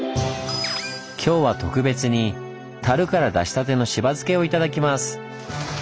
今日は特別にたるから出したてのしば漬けを頂きます。